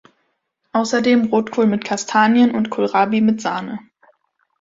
Außerdem Rotkohl mit Kastanien und Kohlrabi mit Sahne.